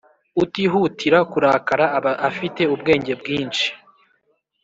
utihutira kurakara aba afite ubwenge bwinshi,